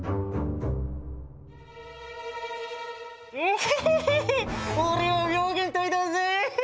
エヘヘヘ俺は病原体だぜ！